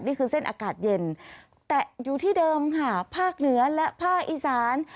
นี่คือเส้นอากาศเย็นแต่อยู่ที่เดิมค่ะภาคเหนือและภาคอีสาน